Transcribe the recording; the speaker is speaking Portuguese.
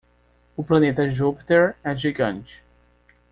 O planeta Júpiter é gigante.